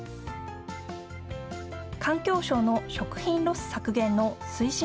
環境省の食品ロス削減の推進